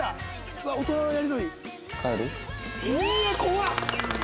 うわっ怖っ！